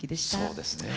そうですね。